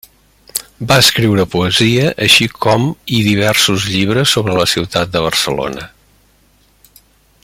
Va escriure poesia, així com i diversos llibres sobre la ciutat de Barcelona.